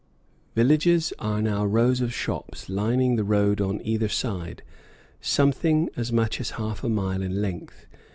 Villages are now rows of shops lining the road on either side, sometimes as much as half a mile in length.